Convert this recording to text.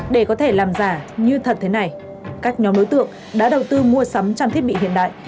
để có thể làm giả như thật thế này các nhóm đối tượng đã đầu tư mua sắm trang thiết bị hiện đại